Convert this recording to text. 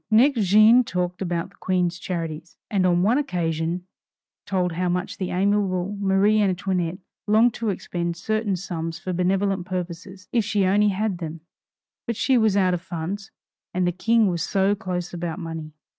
Next Jeanne talked about the Queen's charities; and on one occasion, told how much the amiable Marie Antoinette longed to expend certain sums for benevolent purposes if she only had them but she was out of funds, and the King was so close about money!